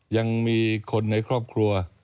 ยังมีคนในครอบครัว